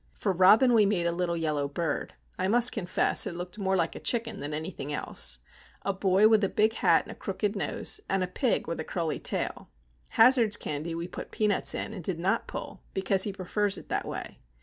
For Robin we made a little yellow bird (I must confess it looked more like a chicken than anything else), a boy with a big hat and a crooked nose, and a pig with a curly tail. Hazard's candy we put peanuts in, and did not pull, because he prefers it that way.